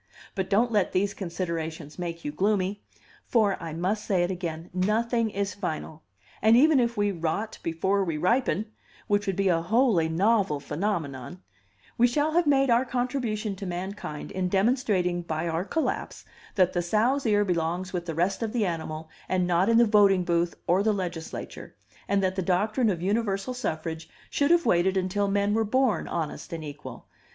But don't let these considerations make you gloomy; for (I must say it again) nothing is final; and even if we rot before we ripen which would be a wholly novel phenomenon we shall have made our contribution to mankind in demonstrating by our collapse that the sow's ear belongs with the rest of the animal, and not in the voting booth or the legislature, and that the doctrine of universal suffrage should have waited until men were born honest and equal.